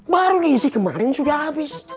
baru diisi kemarin sudah habis